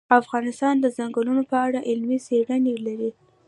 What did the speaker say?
افغانستان د ځنګلونه په اړه علمي څېړنې لري.